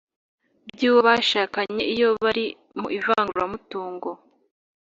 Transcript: by uwo bashakanye iyo bari mu ivanguramutungo